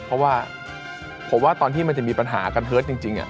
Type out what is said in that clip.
เพราะว่าผมว่าตอนที่มันจะมีปัญหากันเฮิตจริง